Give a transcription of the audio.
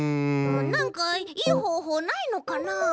なんかいいほうほうないのかな？